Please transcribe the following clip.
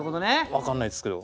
分からないですけど。